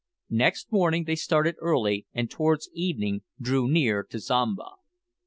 Next morning they started early, and towards evening drew near to Zomba.